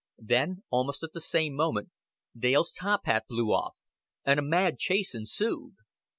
Then, almost at the same moment, Dale's top hat blew off; and a mad chase ensued.